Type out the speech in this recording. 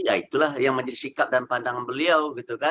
ya itulah yang menjadi sikap dan pandangan beliau